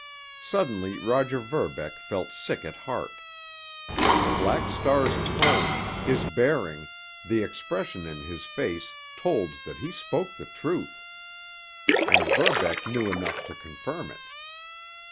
Suddenly Roger Verbeck felt sick at heart. The Black Star's tone, his bearing, the expression in his face told that he spoke the truth. And Verbeck knew enough to confirm it.